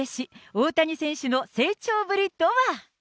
大谷選手の成長ぶりとは。